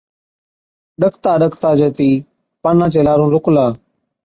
ڏڪتا ڏڪتا جتِي پانان چي لارُون لُڪلا۔